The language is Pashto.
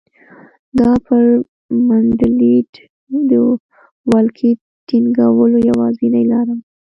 دا پر منډلینډ د ولکې ټینګولو یوازینۍ لاره وه.